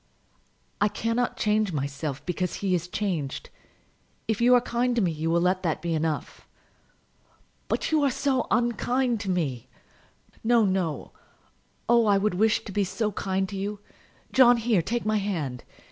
"I cannot change myself because he is changed. If you are kind to me you will let that be enough." "But you are so unkind to me!" "No, no; oh, I would wish to be so kind to you! John, here; take my hand.